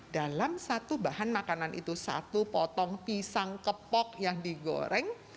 dalam satu bahan makanan itu satu potong pisang kepok yang digoreng